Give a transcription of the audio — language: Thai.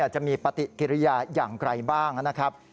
จะมีปฏิกิริยาอย่างไรบ้างนะครับ